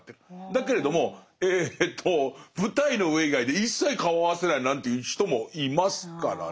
だけれどもえと舞台の上以外で一切顔合わせないなんていう人もいますからね。